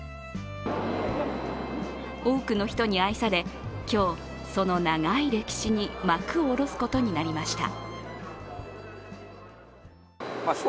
多くの人に愛され、今日、その長い歴史に幕を下ろすことになりました。